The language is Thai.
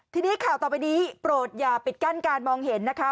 ทีนี้ข่าวต่อไปนี้โปรดอย่าปิดกั้นการมองเห็นนะคะ